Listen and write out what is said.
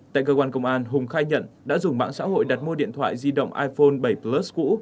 tại cơ quan công an hùng khai nhận đã dùng mạng xã hội đặt mua điện thoại di động iphone bảy plus cũ